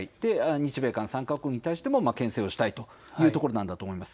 日米韓３か国に対してもけん制をしたいというところなんだと思います。